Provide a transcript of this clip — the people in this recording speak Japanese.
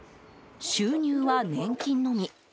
収入は年金のみ。